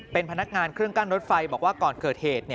เป็นพนักงานเครื่องกั้นรถไฟบอกว่าก่อนเกิดเหตุ